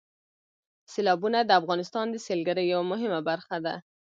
سیلابونه د افغانستان د سیلګرۍ یوه مهمه برخه ده.